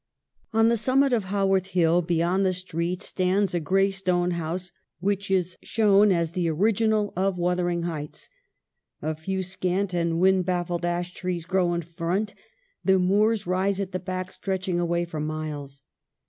On the summit of Haworth Hill, beyond the street, stands a gray stone house, which is shown as the original of ' Wuthering Heights.' A few scant and wind baffled ash trees grow in front, the moors rise at the back stretching away for miles.